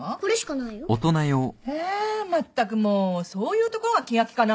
まったくもうそういうところが気が利かないのよね。